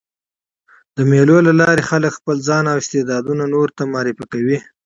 د مېلو له لاري خلک خپل ځان او استعداد نورو ته معرفي کوي.